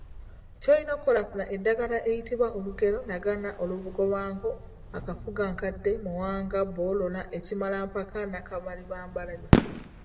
Ky’olina okukola funa eddagala eriyitibwa olugero, nnagaana, olugobango, akafugankande, muwanga, bbowolola, ekimalampaka n’akabambamaliba.